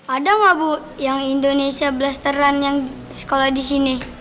ada gak bu yang indonesia blaster run yang sekolah disini